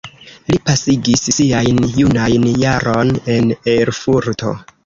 Li pasigis siajn junajn jaron en Erfurto.